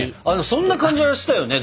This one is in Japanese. そんな感じはしたよね！